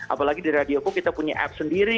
apalagi di radio pun kita punya apps sendiri